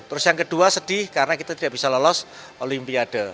terus yang kedua sedih karena kita tidak bisa lolos olimpiade